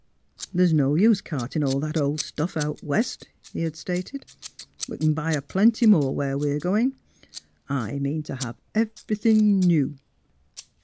" The's no use o' carting all that old stuff out West," he had stated. '' We c'n buy a plenty more where we are going. I mean to have every thin ' new